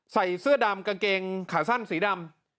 ใส่เสื้อดำกางเกงขาสั้นสีดำ